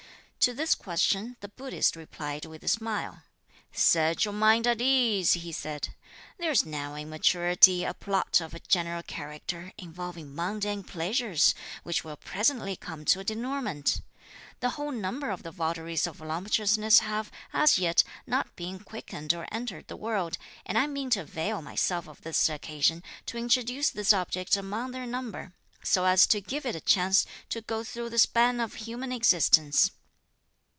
To this question the Buddhist replied with a smile: "Set your mind at ease," he said; "there's now in maturity a plot of a general character involving mundane pleasures, which will presently come to a denouement. The whole number of the votaries of voluptuousness have, as yet, not been quickened or entered the world, and I mean to avail myself of this occasion to introduce this object among their number, so as to give it a chance to go through the span of human existence."